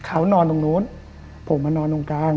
เขานอนตรงนู้นผมมานอนตรงกลาง